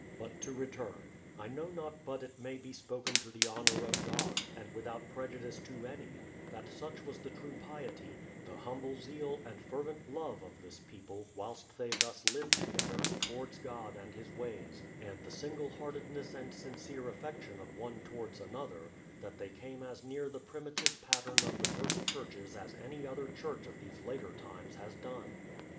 But to return. I know not but it may be spoken to the honour of God, and without prejudice to any, that such was the true piety, the humble zeal, and fervent love, of this people, whilst they thus lived together, towards God and His ways, and the single heartedness and sincere affection of one towards another, that they came as near the primitive pattern of the first churches as any other church of these later times has done.